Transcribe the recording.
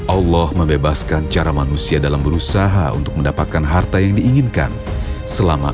allah membebaskan cara manusia dalam berusaha untuk mendapatkan harta yang diinginkan selama